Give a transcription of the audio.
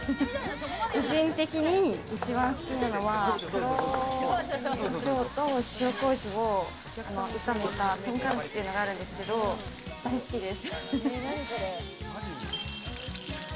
個人的に一番好きなのは、黒コショウと塩こうじで炒めた豚からしっていうのがあるんですけど、大好きです。